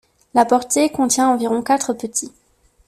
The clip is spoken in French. La portée contient environ quatre petits.